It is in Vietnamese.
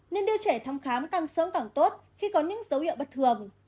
nên đưa trẻ thăm khám càng sớm càng tốt khi có những dấu hiệu bất thường